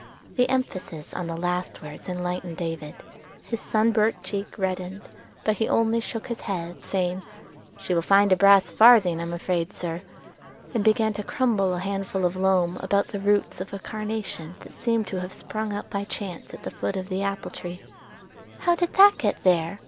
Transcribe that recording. The emphasis on the last words enlightened David: his sunburnt cheek reddened, but he only shook his head, saying: "She will find a brass farthing I'm afraid, sir," and began to crumble a handful of loam about the roots of a carnation that seemed to have sprung up by chance at the foot of the apple tree. "How did that get there?"